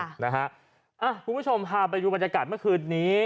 คุณผู้ชมพาไปดูบรรยากาศเมื่อคืนนี้